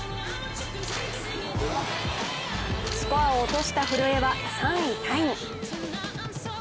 スコアを落とした古江は３位タイに。